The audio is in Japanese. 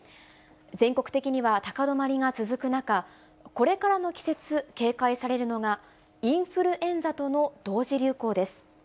全国的には高止まりが続く中、これからの季節、警戒されるのが、インフルエンザとの同時流行です。